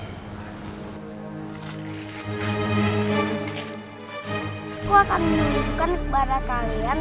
itu akan menunjukkan kepada kalian